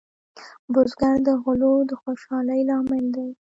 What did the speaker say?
بزګر د غلو د خوشحالۍ لامل دی